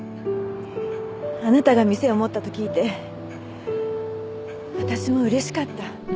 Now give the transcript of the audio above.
あなたが店を持ったと聞いて私も嬉しかった。